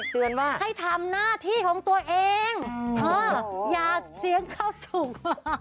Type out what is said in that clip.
เตือนว่าให้ทำหน้าที่ของตัวเองอย่าเสียงเข้าสู่